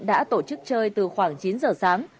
đã tổ chức chơi từ khoảng chín h sáng